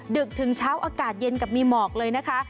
ดึกถึงเช้าอากาศเย็นกับมีหมอกเลยนะคะ